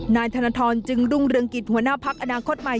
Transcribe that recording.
นายธนทรจึงรุ่งเรืองกิจหัวหน้าพักอนาคตใหม่